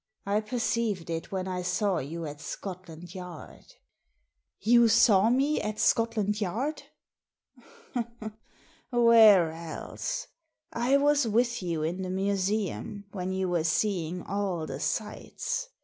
I perceived it when I saw you at Scotland Yard." "You saw me at Scotland Yard !" "Where else? I was with you in the Museum, when you were seeing all the sights.